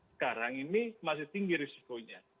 sekarang ini masih tinggi risikonya